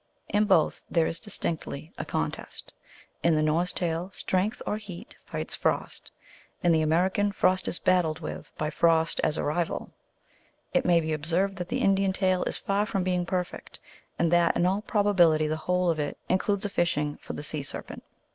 In both there is distinctly a con test. In the Norse tale Strength or Heat rights Frost ; in the American, Frost is battled with by Frost as a rival. It may be observed that the Indian tale is far from being perfect, and that in all probability the whole of it includes a fishing for the sea serpent.